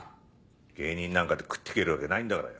芸人なんかで食っていけるわけないんだからよ。